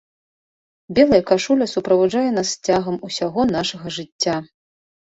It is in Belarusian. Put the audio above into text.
Белая кашуля суправаджае нас цягам усяго нашага жыцця.